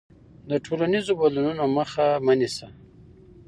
د ټولنیزو بدلونونو مخه مه نیسه.